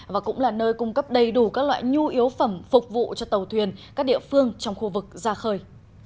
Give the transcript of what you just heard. và cũng là nơi cung cấp đầy đủ các loại nhu yếu phẩm phục vụ cho tàu thuyền các địa phương trong khu vực ra khơi